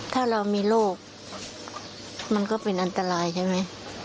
ถ้าเรามีโรคมันก็เป็นอันตรายใช่ไหม